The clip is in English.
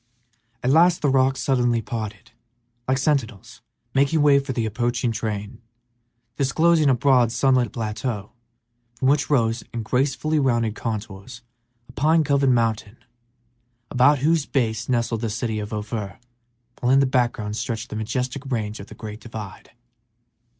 At last the rocks suddenly parted, like sentinels making way for the approaching train, disclosing a broad, sunlit plateau, from which rose, in gracefully rounded contours, a pine covered mountain, about whose base nestled the little city of Ophir, while in the background stretched the majestic range of the great divide.